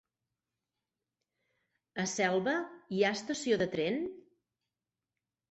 A Selva hi ha estació de tren?